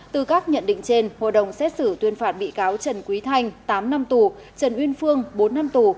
từ các nhận định trên hội đồng xét xử tuyên phạt bị cáo trần quý thanh tám năm tù trần uyên phương bốn năm tù